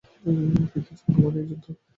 কিন্তু জীবন মানেই যুদ্ধ।